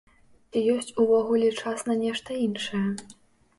Ці ёсць увогуле час на нешта іншае?